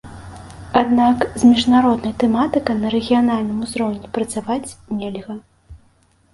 Аднак з міжнароднай тэматыкай на рэгіянальным узроўні працаваць нельга.